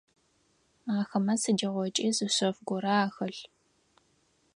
Ахэмэ сыдигъокӏи зы шъэф горэ ахэлъ.